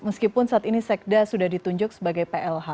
meskipun saat ini sekda sudah ditunjuk sebagai plh